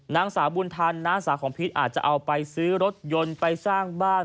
นางสาวบุญธันน้าสาวของพีชอาจจะเอาไปซื้อรถยนต์ไปสร้างบ้าน